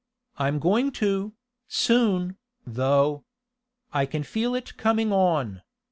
I'm going to, soon, though. I can feel it coming on.